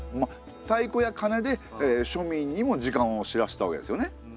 太鼓や鐘で庶民にも時間を知らせたわけですよね。